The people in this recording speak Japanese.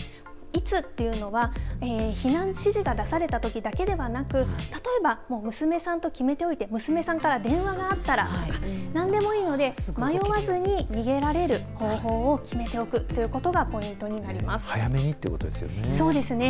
いつっていうのは、避難指示が出されたときだけでなく、例えば、娘さんと決めておいて、娘さんから電話があったらなんでもいいので、迷わずに逃げられる方法を決めておくということがポイントになり早めにということですよね。